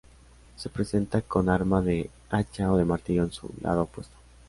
Se presenta con arma de hacha o de martillo en su lado opuesto.